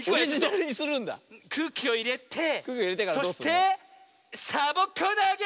くうきをいれてそしてサボ子なげ！